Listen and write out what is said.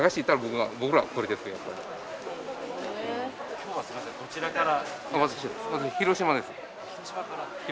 今日はすいませんどちらから？